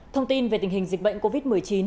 thông tin về tình hình dịch bệnh covid một mươi chín